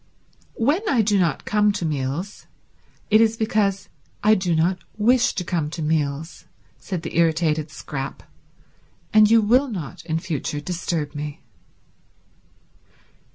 "When I do not come to meals it is because I do not wish to come to meals," said the irritated Scrap, "and you will not in future disturb me."